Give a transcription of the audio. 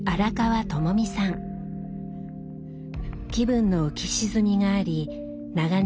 気分の浮き沈みがあり長年